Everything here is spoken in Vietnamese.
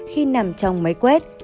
khi nằm trong máy quét